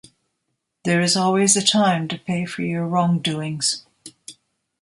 There is always a time to pay for your wrongdoings.